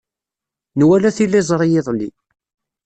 Nwala tiliẓri iḍelli.